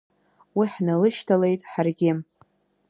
Уи ҳналышьҭалеит ҳаргьы.